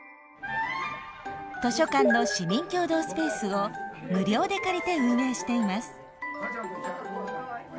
図書館の市民協働スペースを無料で借りて運営しています。